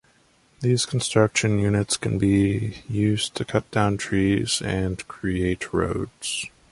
These construction units can be used to cut down trees and create roads.